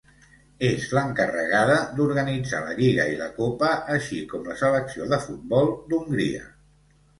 És l'encarregada d'organitzar la lliga i la copa, així com la selecció de futbol d'Hongria.